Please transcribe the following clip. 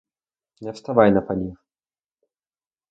Не вставай на панів!